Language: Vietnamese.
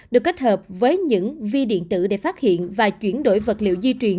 được kết hợp với những vi điện tử để phát hiện và chuyển đổi vật liệu di truyền